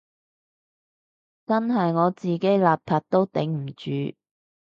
真係我自己邋遢都頂唔住